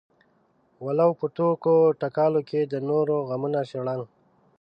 ولو په ټوکو ټکالو کې د نورو غمونه شړل.